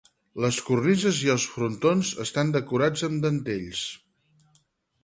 Les cornises i els frontons estan decorats amb dentells.